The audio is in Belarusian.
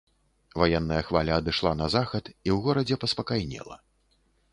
Ваенная хваля адышла на захад, і ў горадзе паспакайнела.